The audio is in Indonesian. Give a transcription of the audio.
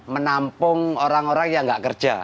menampung orang orang yang nggak kerja